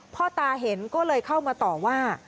พ่อตาเห็นก็เลยเข้ามาต่อว่า